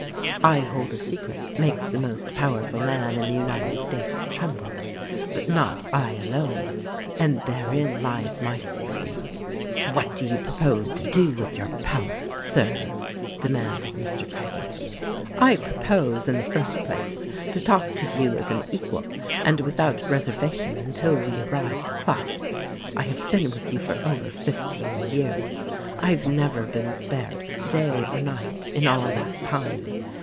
I hold a secret that makes the most powerful man in the United States tremble — but not I alone, and therein lies my safety." "What do you propose to do with your power, Sir," demanded Mr. Craggie. "I propose, in the first place, to talk to you as an equal and without reservation until we arrive at Clyde. I have been with you for over fifteen years. I've never been spared — day or night — in all that time.